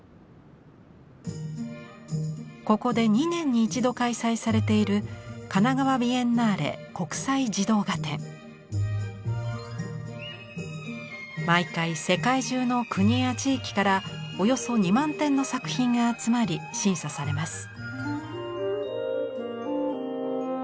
ここで２年に一度開催されている毎回世界中の国や地域からおよそ２万点の作品が集まり審査されます。